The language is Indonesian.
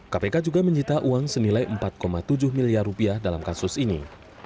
kpk juga menyita uang senilai empat tujuh miliar rupiah dalam kasus ini